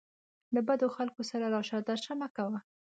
له بدو خلکو سره راشه درشه مه کوه